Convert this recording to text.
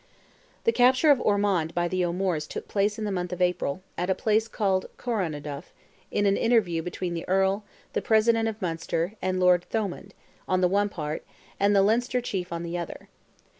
The capture of Ormond by the O'Moores took place in the month of April, at a place called Corroneduff, in an interview between the Earl, the President of Munster, and Lord Thomond, on the one part, and the Leinster Chief on the other.